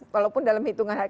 walaupun dalam hitungan hari